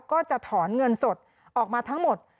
ก็จะถอนเงินสดออกมาทั้งหมด